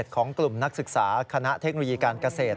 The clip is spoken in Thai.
ของกลุ่มนักศึกษาคณะเทคโนโลยีการเกษตร